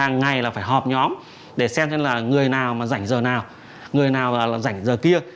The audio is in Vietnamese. hàng ngày là phải họp nhóm để xem xem là người nào mà rảnh giờ nào người nào là rảnh giờ kia